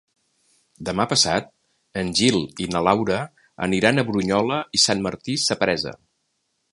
Demà passat en Gil i na Laura aniran a Brunyola i Sant Martí Sapresa.